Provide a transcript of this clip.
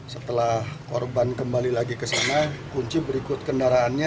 setelah korban kembali lagi ke sana kunci berikut kendaraannya